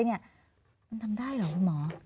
มันทำได้หรือหมอ